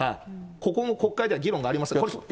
ここも国会では議論がありません。